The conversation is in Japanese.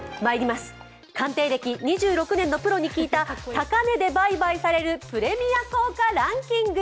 鑑定歴２６年のプロに聞いた高値で売買されるプレミア硬貨ランキング。